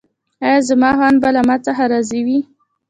ایا زما خاوند به له ما څخه راضي وي؟